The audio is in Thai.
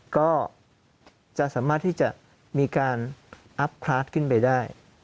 ก็จะสามารถที่จะมีการอัพพาร์ทขึ้นไปได้